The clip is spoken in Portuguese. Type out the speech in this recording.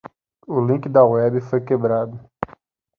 O link da web foi quebrado.